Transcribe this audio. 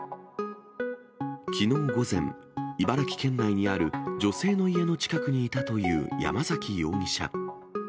きのう午前、茨城県内にある女性の家の近くにいたという山崎容疑者。